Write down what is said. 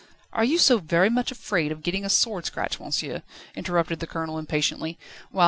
"Are you so very much afraid of getting a sword scratch, monsieur?" interrupted the Colonel impatiently, whilst M.